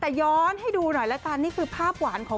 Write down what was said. แต่ย้อนให้ดูหน่อยละกันนี่คือภาพหวานของ